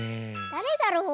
だれだろう？